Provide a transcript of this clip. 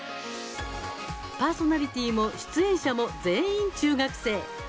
パーソナリティーも出演者も全員中学生。